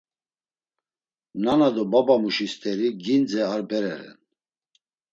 Nana do babamuşi steri gindze ar bere ren.